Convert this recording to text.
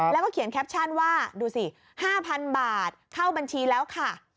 แล้วก็เขียนแคปชั่นว่าดูสิ๕๐๐๐บาทเข้าบัญชีแล้วค่ะ